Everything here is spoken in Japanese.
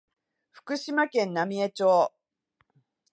福島県浪江町